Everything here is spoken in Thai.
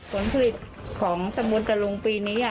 ผลผลิตของสมุทรตะลุงปีนี้